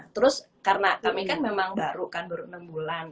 terus karena kami kan memang baru kan baru enam bulan